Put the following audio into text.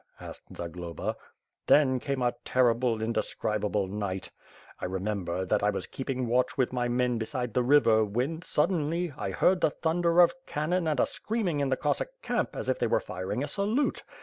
asked Zagloba. "Then came a terrible, indescribable night. I remember, that I was keeping watch with my men beside the river, when, suddenly, I heard the thunder of cannon and a screaming in the Cossack camp, as if they were firing a salute.